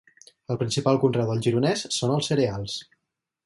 El principal conreu del Gironès són els cereals.